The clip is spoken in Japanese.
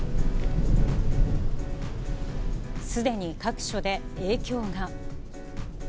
すでに各所で影響が。